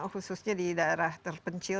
khususnya di daerah terpencil